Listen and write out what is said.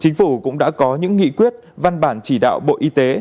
chính phủ cũng đã có những nghị quyết văn bản chỉ đạo bộ y tế